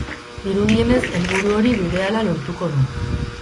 Dirudienez, helburu hori berehala lortuko du.